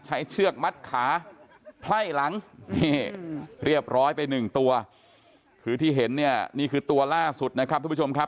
เชือกมัดขาไพ่หลังนี่เรียบร้อยไปหนึ่งตัวคือที่เห็นเนี่ยนี่คือตัวล่าสุดนะครับทุกผู้ชมครับ